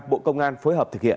bộ công an phối hợp thực hiện